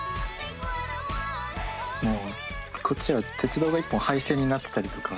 もうこっちは鉄道が１本はい線になってたりとか。